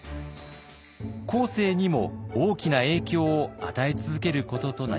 後世にも大きな影響を与え続けることとなります。